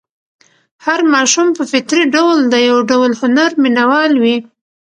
هر ماشوم په فطري ډول د یو ډول هنر مینه وال وي.